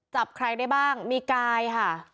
จับใครได้บ้างมีกายค่ะ